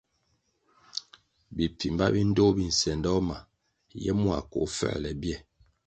Bipfimba bi ndtoh bi nsendoh ma ye mua koh fuerle bie.